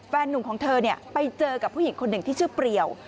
หนุ่มของเธอไปเจอกับผู้หญิงคนหนึ่งที่ชื่อเปรียว